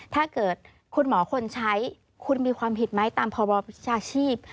ถ้าเกิดคุณหมอคนใช้คุณมีความผิดไหมตามพบวิชาชีพ